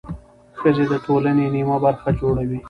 ښځې د ټولنې نیمه برخه جوړوي.